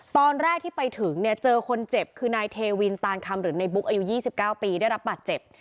ตอนแรกที่ไปถึงเนี่ยเจอคนเจ็บคือนายเทวินตานคำหรือในบุ๊กอายุ๒๙ปีได้รับบาดเจ็บ